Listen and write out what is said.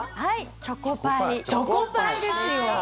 チョコパイですよ。